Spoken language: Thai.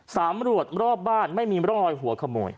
สำรวจรอบบ้านไม่มีร่องรอยหัวขโมย